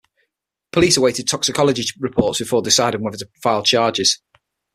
Police awaited toxicology reports before deciding whether to file charges.